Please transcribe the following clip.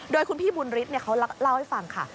โดยว่าคุณพี่หมุนฤทธิ์เนี่ยเขาเล่าให้ฟังค่ะ